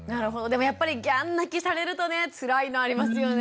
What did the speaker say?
でもやっぱりギャン泣きされるとねつらいのありますよね。